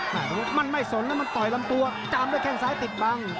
แฮหม่อนาวด์มันไม่สนแล้วมันต่อยลำตัวจามอะไรแค่งซ้ายติดบัง